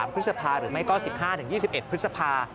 พฤษภาหรือไม่ก็๑๕๒๑พฤษภา